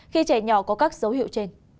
khi trẻ nhỏ có các dấu hiệu trên